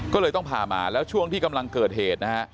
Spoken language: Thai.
ก็เลยต้องพามาแล้วช่วงที่กำลังเกิดเหตุนะฮะ